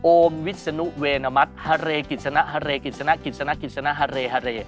โอมวิสนุเวณมัติฮะเรกิจนะฮะเรกิจนะฮะเรกิจนะฮะเรฮะเร